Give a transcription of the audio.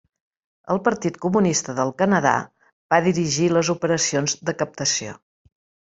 El Partit Comunista del Canadà va dirigir les operacions de captació.